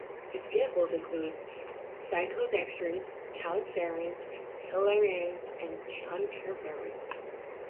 Examples include cyclodextrins, calixarenes, pillararenes and cucurbiturils.